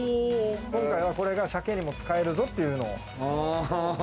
今回はこれが鮭にも使えるぞ！っていうのを。